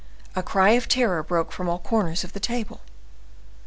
'" A cry of terror broke from all corners of the table. "There!